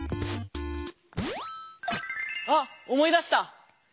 あっ思い出した！